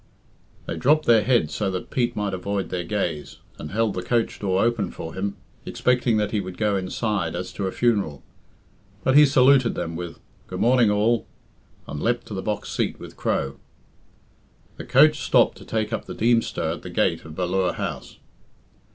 They dropped their heads so that Pete might avoid their gaze, and held the coach door open for him, expecting that he would go inside, as to a funeral. But he saluted them with "Good morning all," and leapt to the box seat with Crow. The coach stopped to take up the Deemster at the gate of Ballure House.